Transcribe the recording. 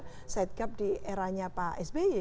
karena kita set gap di eranya pak sby